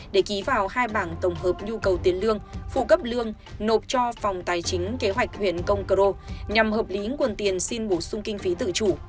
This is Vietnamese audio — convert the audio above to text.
để ký vào hai bảng tổng hợp nhu cầu tiền lương phụ cấp lương nộp cho phòng tài chính kế hoạch huyện công cờ ro nhằm hợp lý nguồn tiền xin bổ sung kinh phí tự chủ